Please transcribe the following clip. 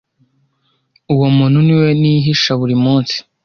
uwo muntu niwe nihisha buri munsi